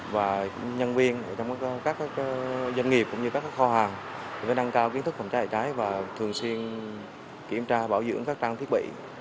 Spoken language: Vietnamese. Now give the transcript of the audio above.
và nhân viên trong các dân nghiệp cũng như các kho hàng phải năng cao kiến thức phòng cháy chữa cháy và thường xuyên kiểm tra bảo dưỡng các trang thiết bị